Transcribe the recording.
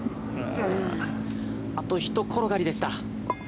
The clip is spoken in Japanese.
あとひと転がりでした。